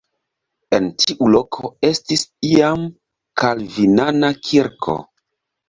En tiu loko estis iam kalvinana kirko.